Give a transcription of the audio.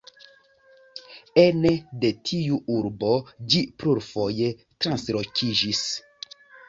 Ene de tiu urbo ĝi plurfoje translokiĝis.